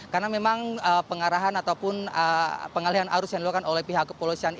karena memang pengarahan ataupun pengalih arus yang dilakukan oleh pihak kepolisian ini